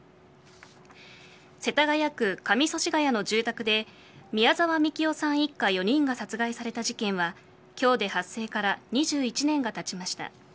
世田谷区上祖師谷の住宅で宮澤みきおさん一家４人が殺害された事件は今日で発生から２１年がたちました。